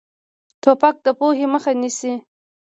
توپک د پوهې مخه نیسي.